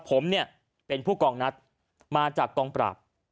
ผมเนี่ยเป็นผู้กองนัดมาจากกองปราบ